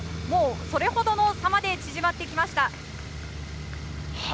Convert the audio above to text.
それほどの差まで縮まってきました。